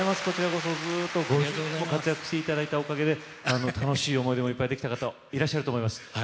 こちらこそずっと５０年も活躍して頂いたおかげで楽しい思い出もいっぱいできた方いらっしゃると思います。